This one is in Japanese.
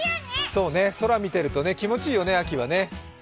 そうね、空見てると気持ちいいよね、秋はね。